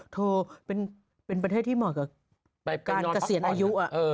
เธอเป็นประเทศที่เหมาะกับการเกษียณอายุ